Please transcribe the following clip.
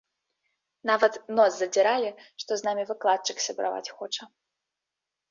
Нават нос задзіралі, што з намі выкладчык сябраваць хоча.